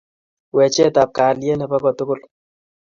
wechetab kalyet nebo kotugul